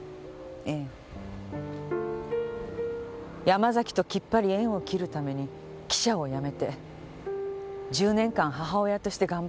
山崎とキッパリ縁を切るために記者を辞めて１０年間母親として頑張ってきました。